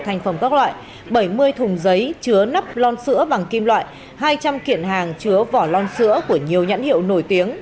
một thành phẩm các loại bảy mươi thùng giấy chứa nắp lon sữa bằng kim loại hai trăm linh kiện hàng chứa vỏ lon sữa của nhiều nhãn hiệu nổi tiếng